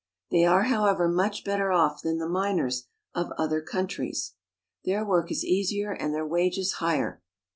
They are, however, much better off than the miners of other countries. Their work is easier and their wages higher.